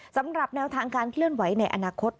สำหรับแนวทางการเคลื่อนไหวในอนาคต